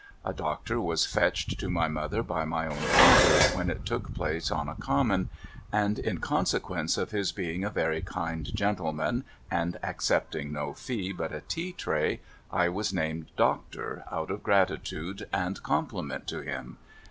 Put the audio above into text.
A doctor was fetched to my own mother by my own father, when it took place on a common ; and in consequence of his being a very kind gentleman, and accepting no fee but a tea tray, I was named Doctor, out of gratitude and compliment to him.